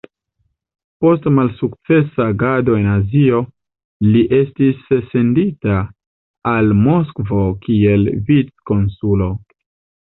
Post malsukcesa agado en Azio, li estis sendita al Moskvo kiel vic-konsulo.